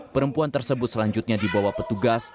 perempuan tersebut selanjutnya dibawa petugas